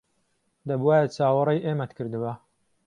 دەبوایە چاوەڕێی ئێمەت کردبا.